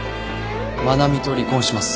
愛菜美と離婚します。